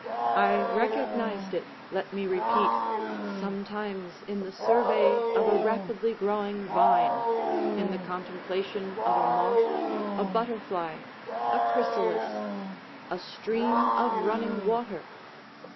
I recognized it, let me repeat, sometimes in the survey of a rapidly growing vine—in the contemplation of a moth, a butterfly, a chrysalis, a stream of running water.